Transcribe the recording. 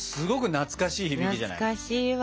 懐かしいわ。